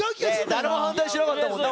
誰も反対しなかったもんな